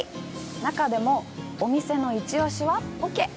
中でもお店のイチオシはポケ！